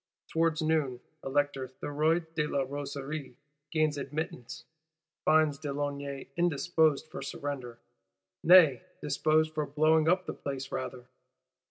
Towards noon, Elector Thuriot de la Rosiere gains admittance; finds de Launay indisposed for surrender; nay disposed for blowing up the place rather.